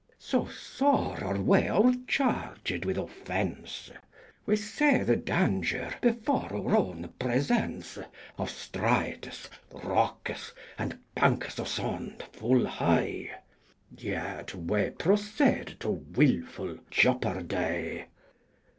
So sore ar we overcharged with offence We see the daunger before our owne presence Of straytis, rockis, and bankis of sonde full hye, Yet we procede to wylfull jeopardye.